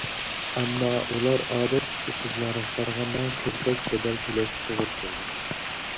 ئەمما ئۇلار ئادەتتىكى قىزلارغا قارىغاندا كۆپرەك بەدەل تۆلەشكە توغرا كېلىدۇ.